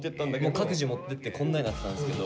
各自持ってってこんなになってたんですけど。